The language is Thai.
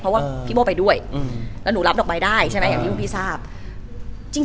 เพราะว่าพี่โบ้ไปด้วยแล้วหนูรับดอกไม้ได้ใช่ไหมอย่างที่พวกพี่ทราบ